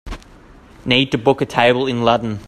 need to book a table in Ludden